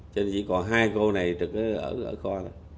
cho nên chỉ còn hai cô này trực ở kho